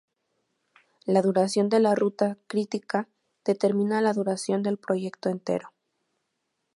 La duración de la ruta crítica determina la duración del proyecto entero.